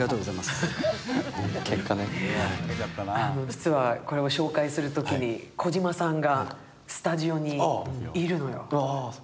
実はこれを紹介するときに児嶋さんがスタジオにいるのよ。